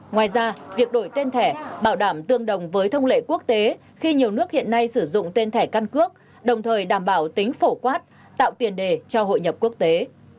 ngoài ra việc đổi tên thẻ bảo đảm tương đồng với thông lệ quốc tế khi nhiều nước hiện nay sử dụng tên thẻ căn cước đồng thời đảm bảo tính phổ quát tạo tiền đề cho hội nhập quốc tế